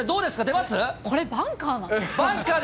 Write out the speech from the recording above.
出これ、バンカー？